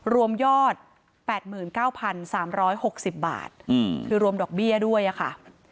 รวมยอดแปดหมื่นเก้าพันสามร้อยหกสิบบาทอืมคือรวมดอกเบี้ยด้วยอะค่ะ